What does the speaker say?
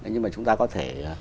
nhưng mà chúng ta có thể